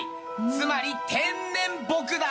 つまり天然木だ！